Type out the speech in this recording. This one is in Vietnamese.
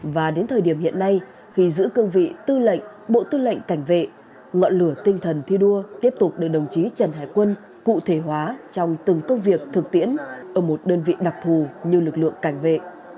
và đến thời điểm hiện nay khi giữ cương vị tư lệnh bộ tư lệnh cảnh vệ ngọn lửa tinh thần thi đua tiếp tục được đồng chí trần hải quân cụ thể hóa trong từng công việc thực tiễn ở một đơn vị đặc thù như lực lượng cảnh vệ